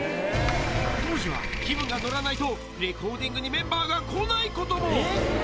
当時は気分が乗らないと、レコーディングにメンバーが来ないことも。